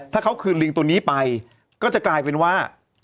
ถ้าเขาคืนลิงตัวนี้ไปก็จะกลายเป็นว่า